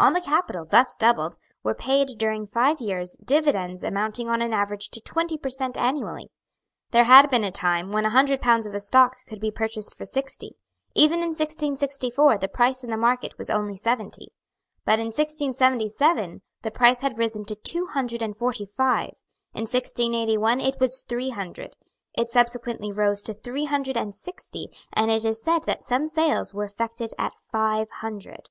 On the capital, thus doubled, were paid, during five years, dividends amounting on an average to twenty per cent. annually. There had been a time when a hundred pounds of the stock could be purchased for sixty. Even in 1664 the price in the market was only seventy. But in 1677 the price had risen to two hundred and forty five; in 1681 it was three hundred; it subsequently rose to three hundred and sixty; and it is said that some sales were effected at five hundred.